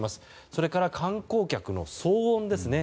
それから、観光客の騒音ですね。